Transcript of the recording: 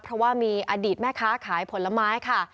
เพราะว่ามีอดีตแม่ค้าขายผลไม้ค่ะ